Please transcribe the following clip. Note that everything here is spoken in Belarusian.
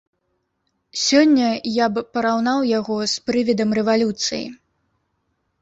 Сёння я б параўнаў яго з прывідам рэвалюцыі.